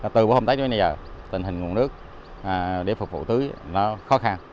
từ hôm tới đến bây giờ tình hình nguồn nước để phục vụ thứ nó khó khăn